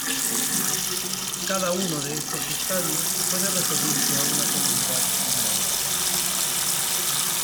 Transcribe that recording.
Cada una de estos estadios puede referirse a una comunidad serial.